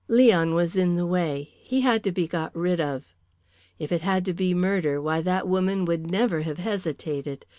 "Leon was in the way; he had to be got rid of. If it had to be murder, why that woman would never have hesitated.